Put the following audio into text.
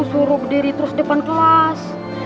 suruh berdiri terus depan kelas